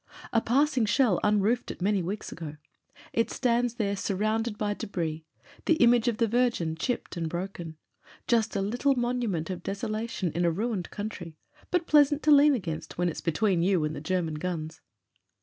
A passing shell unroofed it many weeks ago; it stands there surrounded by debris — the image of the Virgin, chipped and broken. Just a little monument of deso lation in a ruined country, but pleasant to lean against when it's between you and German guns.